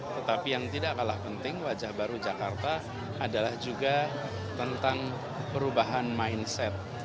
tetapi yang tidak kalah penting wajah baru jakarta adalah juga tentang perubahan mindset